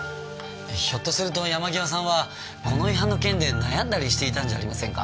ひょっとすると山際さんはこの違反の件で悩んだりしていたんじゃありませんか？